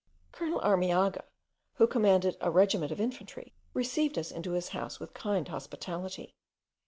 Colonel Armiaga, who commanded a regiment of infantry, received us into his house with kind hospitality.